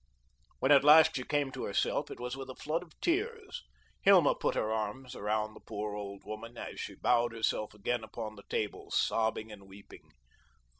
When at last she came to herself, it was with a flood of tears. Hilma put her arms around the poor, old woman, as she bowed herself again upon the table, sobbing and weeping.